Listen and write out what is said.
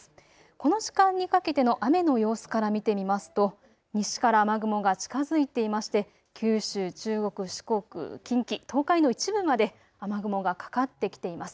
この時間にかけての雨の様子から見てみますと、西から雨雲が近づいていまして九州、中国、四国、近畿、東海の一部まで雨雲がかかってきています。